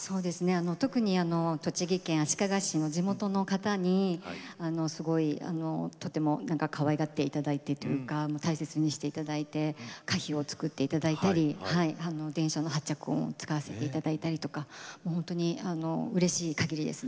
特に栃木県足利市の地元の方にとてもかわいがっていただいているというか大切にしていただいて歌碑を造っていただいたり電車の発着音に使っていただいたり本当にうれしいかぎりです。